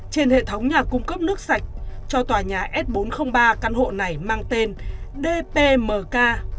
trên hệ thống nhà cung cấp nước sạch cho tòa nhà s bốn trăm linh ba căn hộ này mang tên dpmk